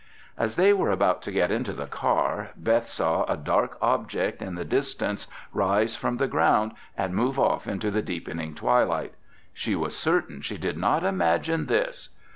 As they were about to get into the car, Beth saw a dark object in the distance rise from the ground and move off into the deepening twilight. She was certain she did not imagine this.